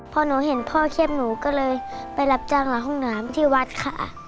พอหนูเห็นพ่อเครียดหนูก็เลยไปรับจ้างหลังห้องน้ำที่วัดค่ะ